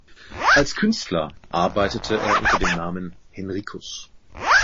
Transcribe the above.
Als Künstler arbeitete er unter dem Namen „Henricus“.